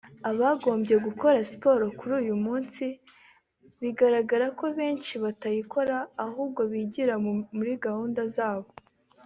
Abagombye gukora siporo kuri uyu munsi bigaragara ko benshi batayikora ahubwo bigira muri gahunda zabo